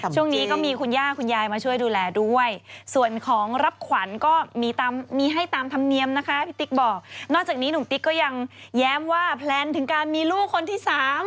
ช่วงนี้ก็มีคุณย่าคุณยายมาช่วยดูแลด้วยส่วนของรับขวัญก็มีให้ตามธรรมเนียมนะคะพี่ติ๊กบอกนอกจากนี้หนุ่มติ๊กก็ยังแย้มว่าแพลนถึงการมีลูกคนที่๓